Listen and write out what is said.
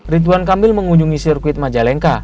ridwan kamil mengunjungi sirkuit majalengka